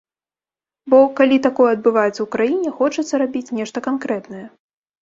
Бо, калі такое адбываецца ў краіне, хочацца рабіць нешта канкрэтнае.